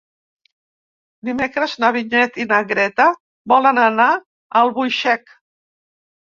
Dimecres na Vinyet i na Greta volen anar a Albuixec.